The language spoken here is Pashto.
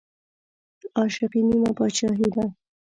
عاشقي نيمه باچاهي ده